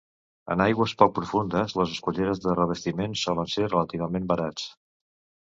En aigües poc profundes, les esculleres de revestiment solen ser relativament barats.